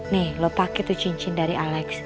nih lo pakai itu cincin dari alex